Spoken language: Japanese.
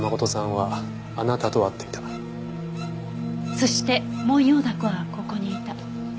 そしてモンヨウダコはここにいた。